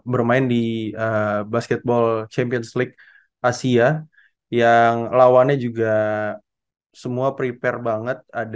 bermain di basketball champions league asia yang lawannya juga semua prepare banget